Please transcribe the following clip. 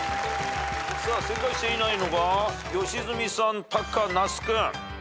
正解していないのが良純さんタカ那須君。